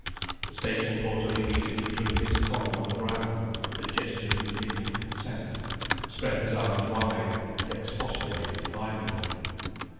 The station porter immediately threw his coin on the ground with a gesture of indignant contempt, spread his arms wide and expostulated violently.